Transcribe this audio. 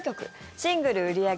シングル売り上げ